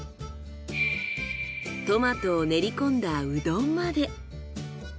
トマトを練り込んだうどんまで。